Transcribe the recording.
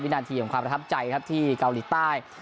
นาทีของความประทับใจครับที่เกาหลีใต้